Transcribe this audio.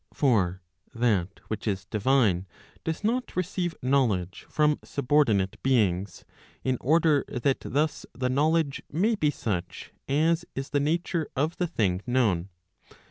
For that which is divine, does not receive knowledge from subordinate beings, in order that thus the knowledge may be such as is the nature of the thing known.